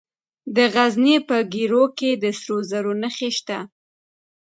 د غزني په ګیرو کې د سرو زرو نښې شته.